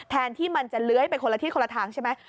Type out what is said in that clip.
แทนที่จะเล้ยไปคนละทิศคนละทางใช่ไหม